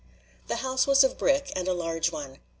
The house was of brick and a large one.